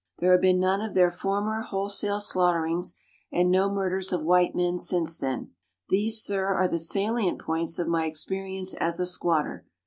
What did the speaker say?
There have been none of their former whole sale slaughterings, and no murders of white men since then. These, Sir, are the salient points of my experience as a squatter.